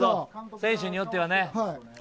選手によってはね。